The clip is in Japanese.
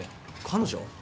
彼女？